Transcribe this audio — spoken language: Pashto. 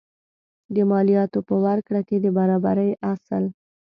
د مالیاتو په ورکړه کې د برابرۍ اصل.